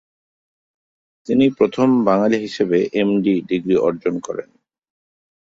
তিনি প্রথম বাঙালি হিসেবে এমডি ডিগ্রি অর্জন করেন।